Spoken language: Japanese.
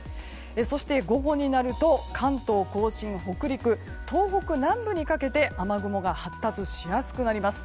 そして午後になると関東・甲信、北陸東北南部にかけて雨雲が発達しやすくなります。